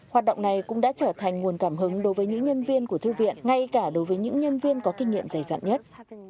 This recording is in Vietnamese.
hoạt động này cũng đã trở thành nguồn cảm hứng đối với những nhân viên của thư viện ngay cả đối với những nhân viên có kinh nghiệm dày dặn nhất